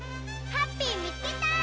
ハッピーみつけた！